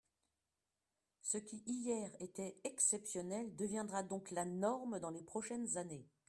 Ce qui, hier, était exceptionnel deviendra donc la norme dans les prochaines années.